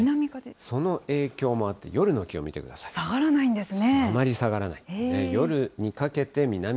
その影響もあって、夜の気温見て下がらないんですね。